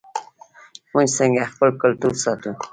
موږ څنګه خپل کلتور ساتو؟